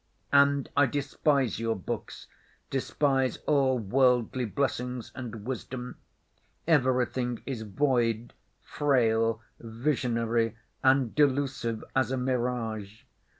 "And I despise your books, despise all worldly blessings and wisdom. Everything is void, frail, visionary and delusive as a mirage.